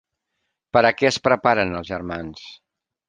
Per a què es preparen els germans?